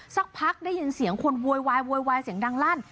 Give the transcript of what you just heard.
สักพักได้ยินเสียงคนโวยวายโวยวายเสียงดังลั่น